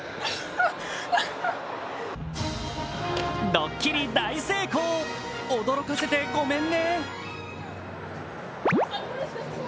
ドッキリ大成功、驚かせてごめんね。